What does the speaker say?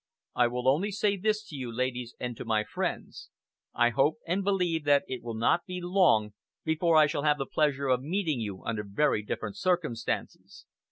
I will only say this to you, ladies, and to my friends. I hope and believe that it will not be long before I shall have the pleasure of meeting you under very different circumstances.